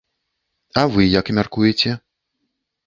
А вы як мяркуеце?